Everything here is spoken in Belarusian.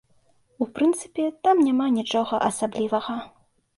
У прынцыпе, там няма нічога асаблівага.